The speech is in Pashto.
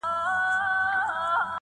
زه مي ژاړمه د تېر ژوندون کلونه٫